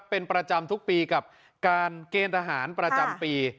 เป็นประจำทุกปีกับการเกณฑ์ทหารประจำปี